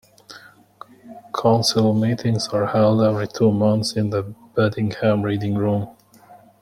Council meetings are held every two months in the Beddingham Reading Room.